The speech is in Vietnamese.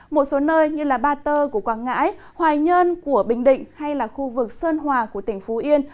một số nơi như ba tơ của quảng ngãi hoài nhơn của bình định hay là khu vực sơn hòa của tỉnh phú yên